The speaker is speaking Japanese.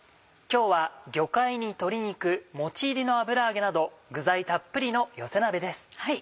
今日は魚介に鶏肉もち入りの油揚げなど具材たっぷりの寄せ鍋です。